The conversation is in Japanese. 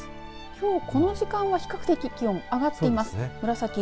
きょう、この時間は比較的気温は上がっています。